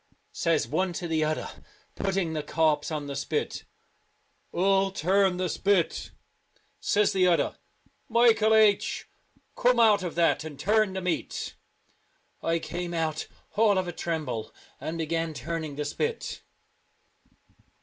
Says one to the Celtic . Twilight, other, putting the corpse on the spit, " Who'll turn the spit ?" Says the other, " Michael H , come out of that and turn the meat." I came out all of a tremble, and began turning the spit.